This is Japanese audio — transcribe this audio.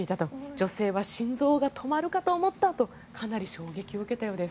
女性は心臓が止まるかと思ったとかなり衝撃を受けたようです。